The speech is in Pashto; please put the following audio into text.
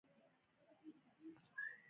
او انزائټي ډپرېشن طرف ته لار کولاو شي